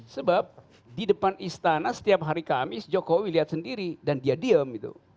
sebab di depan istana setiap hari kamis jokowi lihat sendiri dan dia diem gitu